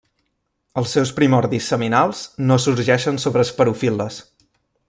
Els seus primordis seminals no sorgeixen sobre esporofil·les.